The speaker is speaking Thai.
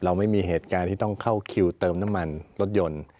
ไม่มีเหตุการณ์ที่ต้องเข้าคิวเติมน้ำมันรถยนต์